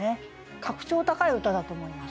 格調高い歌だと思います。